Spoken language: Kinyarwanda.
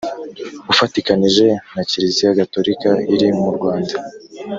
ufatikanije na kiliziya gatolika iri mu rwanda